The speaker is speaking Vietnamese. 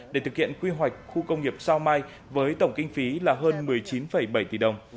để thực hiện quy hoạch khu công nghiệp sao mai với tổng kinh phí là hơn một mươi chín bảy tỷ đồng